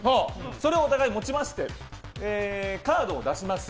それをお互い、持ちましてカードを出します。